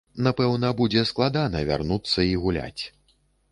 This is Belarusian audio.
Напэўна, будзе складана вярнуцца і гуляць.